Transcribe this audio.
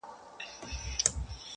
زه تر ده سم زوروري لوبي کړلای٫